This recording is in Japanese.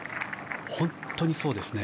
本当にそうですね。